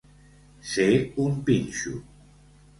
Ser un pinxo.